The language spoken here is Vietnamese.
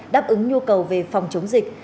đáp ứng nhu cầu về phòng chống dịch